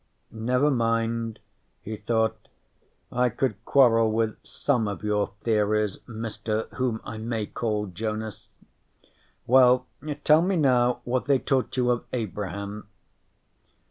"Never mind." He thought: I could quarrel with some of your theories, Mister whom I may call Jonas. "Well, tell me now what they taught you of Abraham."